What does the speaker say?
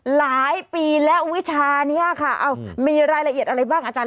ฮ่าฮ่าฮ่าฮ่าฮ่าฮ่าฮ่าฮ่าฮ่าฮ่าฮ่าฮ่า